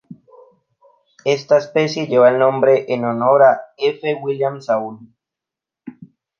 Esta especie lleva el nombre en honor a F. William Saul.